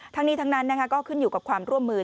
ทั้งนี้ทั้งนั้นก็ขึ้นอยู่กับความร่วมมือ